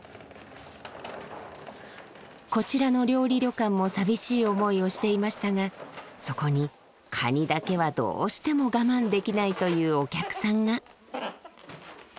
こちらの料理旅館も寂しい思いをしていましたがそこに「カニだけはどうしても我慢できない！」というお客さんが。